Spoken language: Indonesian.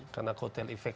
karena kotel efek